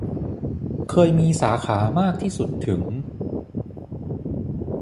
เคยมีสาขามากที่สุดถึง